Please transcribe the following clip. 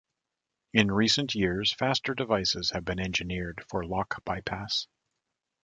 In recent years faster devices have been engineered for lock bypass.